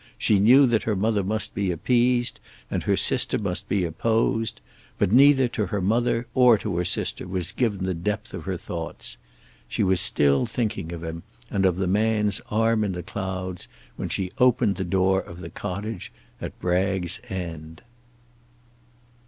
She knew that her mother must be appeased, and her sister must be opposed, but neither to her mother or to her sister was given the depth of her thoughts. She was still thinking of him, and of the man's arm in the clouds, when she opened the door of the cottage at Bragg's End.